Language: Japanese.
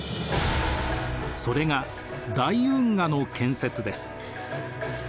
それが大運河の建設です。